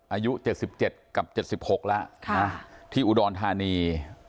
อายุเจ็ดสิบเจ็ดกับเจ็ดสิบหกแล้วค่ะที่อุดรธานี